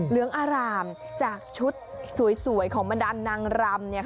เหลืองอารามจากชุดสวยของบรรดาลนางรำ